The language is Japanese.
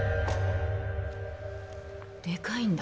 でかいんだ